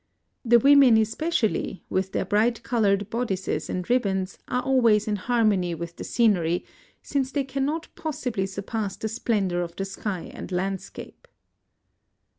The women, especially, with their bright coloured bodices and ribbons, are always in harmony with the scenery, since they cannot possibly surpass the splendour of the sky and landscape.